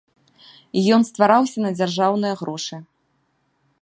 Ён ствараўся на дзяржаўныя грошы.